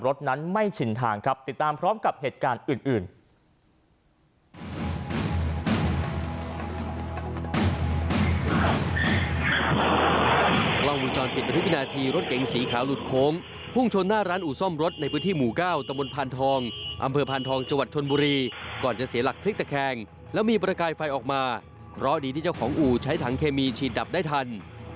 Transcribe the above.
รถเกงสีขาวหลุดโค้งพุ่งชนหน้าร้านอู๋ซ่อมรถในพื้นที่หมู่เก้าตมพันธองอำเภอพันธองจชนบุรีก่อนจะเสียหลักพลิกตะแคงและมีประกายไฟออกมาเพราะดีที่เจ้าของอู๋ใช้ถังเคมีชีดดับได้ทัน